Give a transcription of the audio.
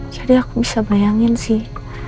jadi aku bisa bayangin sih